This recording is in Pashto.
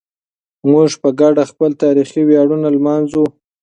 موږ په ګډه خپل تاریخي ویاړونه لمانځو.